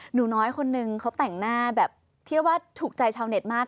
หนูน้อยคนนึงเขาแต่งหน้าแบบเทียบว่าถูกใจชาวเน็ตมาก